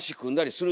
する！